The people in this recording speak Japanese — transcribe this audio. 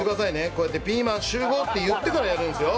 こうやってピーマン集合！って言ってからやるんですよ。